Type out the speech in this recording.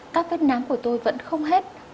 các vết nám của tôi vẫn không hết